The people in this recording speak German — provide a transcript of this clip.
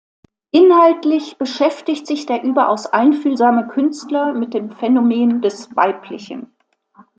Inhaltlich beschäftigt sich der überaus einfühlsame Künstler mit dem Phänomen des Weiblichen.